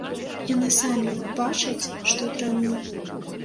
Яны самі бачаць, што дрэнна.